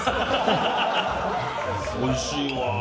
おいしいわ。